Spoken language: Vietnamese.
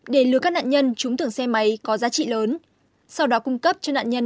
để lừa các nạn nhân trúng thưởng xe máy có giá trị lớn sau đó cung cấp cho nạn nhân